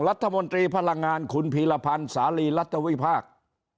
รัฐมนตรีพลังงานขุนภีรภัณฑ์สาลีรัฐวิพากษ์